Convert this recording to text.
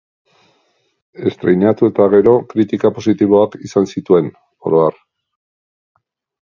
Estreinatu eta gero, kritika positiboak izan zituen, oro har.